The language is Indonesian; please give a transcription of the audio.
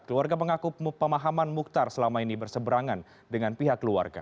keluarga mengaku pemahaman mukhtar selama ini berseberangan dengan pihak keluarga